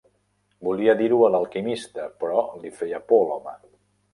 Volia dir-ho al alquimista, però li feia por l'home.